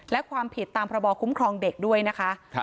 และความผิดตามพระบอคุ้มครองเด็กด้วยนะคะ